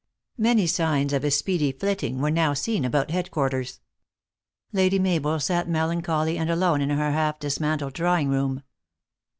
Many signs of a speedy flitting were now seen about head quarters. Lady Mabel sat melancholy and alone in her half dismantled draw T ing room.